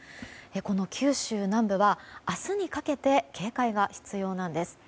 この九州南部は、明日にかけて警戒が必要なんです。